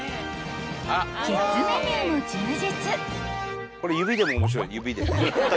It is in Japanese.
［キッズメニューも充実］